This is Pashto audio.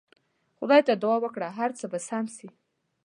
خدای ته دعا وکړه هر څه به سم سي.